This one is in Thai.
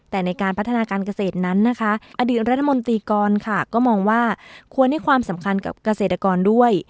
แต่ในการพัฒนาการเกษตรนั้นนะคะอดีตรัฐมนตรีกรค่ะก็มองว่าควรให้ความสำคัญกับเกษตรกรด้วย